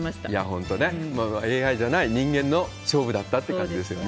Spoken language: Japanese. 本当にね、ＡＩじゃない人間の勝負だったって感じですよね。